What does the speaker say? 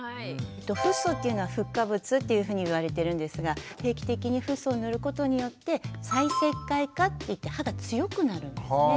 フッ素っていうのはフッ化物っていうふうにいわれてるんですが定期的にフッ素を塗ることによって再石灰化っていって歯が強くなるんですね。